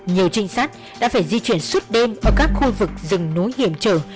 nhiều trinh sát đã phải di chuyển suốt đêm ở các khu vực rừng núi hiểm trở